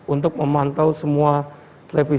untuk memantau semua tv